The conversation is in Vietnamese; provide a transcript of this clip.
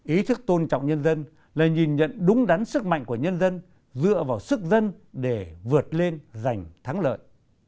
ý thức tôn trọng nhân dân là nhìn nhận đúng đắn sức mạnh của nhân dân dựa vào sức dân để vượt lên giành thắng lợi